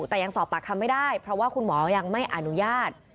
แต่ยังสอบปากคำไม่ได้เพราะว่าคุณหมอยังไม่อนุญาต